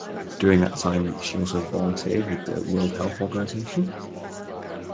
During that time she also volunteered with the World Health Organization.